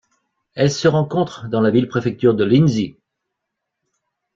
Elle se rencontre dans la ville-préfecture de Linzhi.